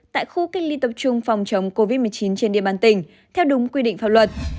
tại khu cách ly tập trung phòng chống covid một mươi chín trên địa bàn tỉnh theo đúng quy định pháp luật